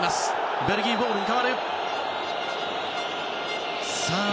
ベルギーボールに変わる。